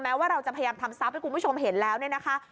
ว่าเราจะพยายามทำทรัพย์ให้คุณผู้ชมเห็นแล้วเนี่ยนะคะ